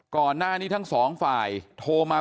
ก่อนหน้านี้ทั้งสองฝ่ายโทรมา